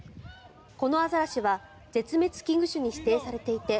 このアザラシは絶滅危惧種に指定されていて